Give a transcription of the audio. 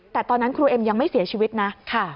แต่ตอนนั้นครูเอ็มยังไม่เสียชีวิตนะ